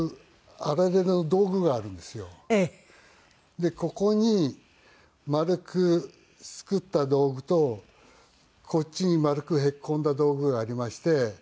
でここに丸く作った道具とこっちに丸くへっこんだ道具がありまして。